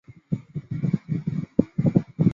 幽浮并非近代才出现的现象。